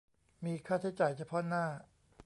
มีค่าใช้จ่ายเฉพาะหน้า